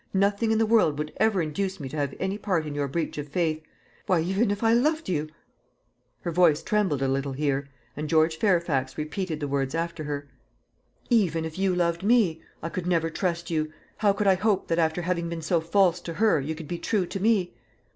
Nothing in the world would ever induce me to have any part in your breach of faith. Why, even if I loved you " her voice trembled a little here, and George Fairfax repeated the words after her, "Even if you loved me I could never trust you. How could I hope that, after having been so false to her, you could be true to me?"